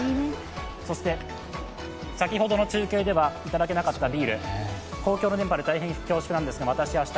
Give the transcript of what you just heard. そして、先ほどの中継ではいただけなかったビール、公共の電波で恐縮ですが、私、明日